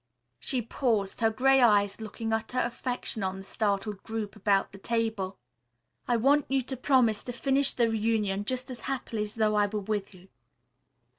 She paused, her gray eyes looking utter affection on the startled group about the table. "I want you to promise to finish the reunion just as happily as though I were with you.